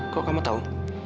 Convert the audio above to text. kok kamu tau